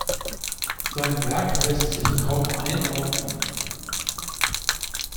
Sein Werk lässt sich kaum einordnen.